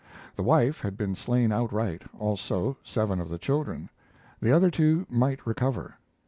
The wife had been slain outright, also seven of the children; the other two might recover.